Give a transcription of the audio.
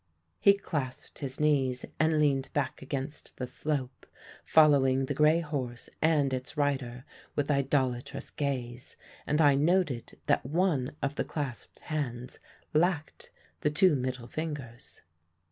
He clasped his knees and leaned back against the slope, following the grey horse and its rider with idolatrous gaze; and I noted that one of the clasped hands lacked the two middle fingers.